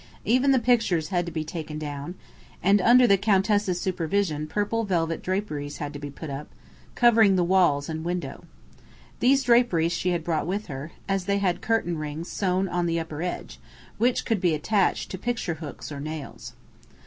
Even the pictures had to be taken down, and under the Countess's supervision purple velvet draperies had to be put up, covering the walls and window. These draperies she had brought with her, and they had curtain rings sewn on at the upper edge, which could be attached to picture hooks or nails.